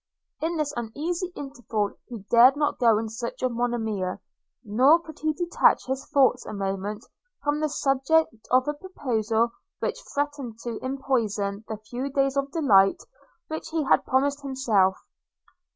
In this uneasy interval he dared not go in search of Monimia, nor could he detach his thoughts a moment from the subject of a proposal which threatened to empoisen the few days of delight which he had promised himself.